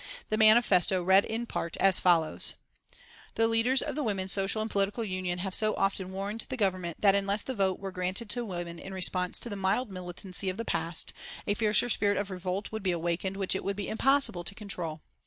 The manifesto read in part as follows: "The leaders of the Women's Social and Political Union have so often warned the Government that unless the vote were granted to women in response to the mild militancy of the past, a fiercer spirit of revolt would be awakened which it would be impossible to control.